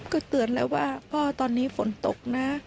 ก็เตือนแล้วว่าพ่อตอนนี้ฝนตกนะ